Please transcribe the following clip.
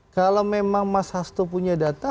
kalau memang mas hasto punya data